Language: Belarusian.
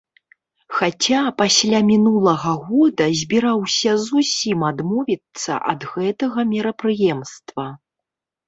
Хаця пасля мінулага года збіраўся зусім адмовіцца ад гэтага мерапрыемства.